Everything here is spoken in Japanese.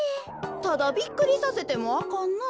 ただびっくりさせてもあかんなあ。